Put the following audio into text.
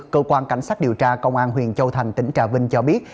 cơ quan cảnh sát điều tra công an huyện châu thành tỉnh trà vinh cho biết